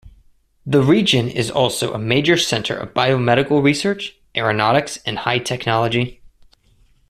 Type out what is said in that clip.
The region is also a major center of biomedical research, aeronautics, and high technology.